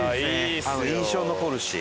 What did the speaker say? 印象残るし。